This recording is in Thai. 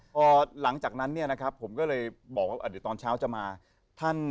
พอหลังจากนั้นเนี่ยนะครับผมก็เลยบอกว่าเดี๋ยวตอนเช้าจะมาท่าน